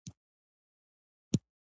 ماضي امکاني د امکان او ګومان مانا ورکوي.